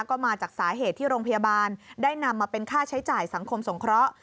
ก็มาจากสาเหตุที่โรงพยาบาลได้นำมาเป็นค่าใช้จ่ายสังคมสงเคราะห์